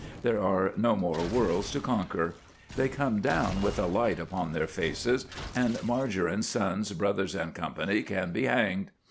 There are no more worlds to conquer. They come down with a light upon their faces, and Margarine, Sons, Bros. & Co. can be hanged.